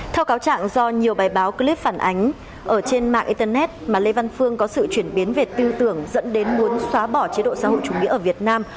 theo cáo trạng do nhiều bài báo clip phản ánh ở trên mạng internet mà lê văn phương có sự chuyển biến về tư tưởng dẫn đến muốn xóa bỏ chế độ xã hội chủ nghĩa ở việt nam